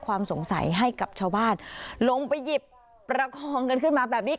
ความสงสัยให้กับชาวบ้านลงไปหยิบประคองกันขึ้นมาแบบนี้